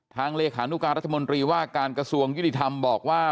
เลขานุการรัฐมนตรีว่าการกระทรวงยุติธรรมบอกว่า